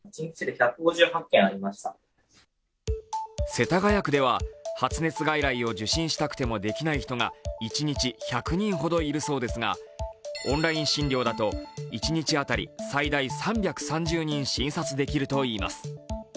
世田谷区では発熱外来を受診したくてもできない人が一日１００人ほどいるそうですが、オンライン診療だと一日当たり最大３３０人診察できるといいます。